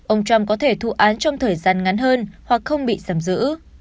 ông trump có thể thu án trong thời gian ngắn hơn hoặc không bị giảm giữ